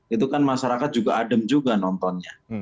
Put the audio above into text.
itu kan masyarakat juga adem juga nontonnya